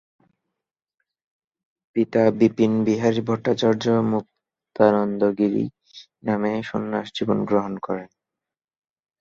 পিতা বিপিনবিহারী ভট্টাচার্য মুক্তানন্দ গিরি নামে সন্ন্যাসজীবন গ্রহণ করেন।